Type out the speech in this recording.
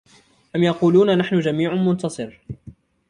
أَمْ يَقُولُونَ نَحْنُ جَمِيعٌ مُّنتَصِرٌ